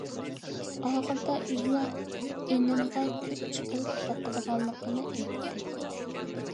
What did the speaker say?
ئاخىرىدا ئۆزىنىڭ ئىنىمغا كۈچ چىقىرىپ باقىدىغانلىقىنى ئېيتتى.